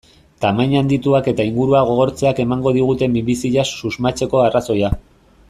Tamaina handituak eta ingurua gogortzeak emango digute minbiziaz susmatzeko arrazoia.